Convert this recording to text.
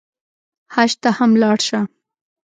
حج ته هم لاړ شه.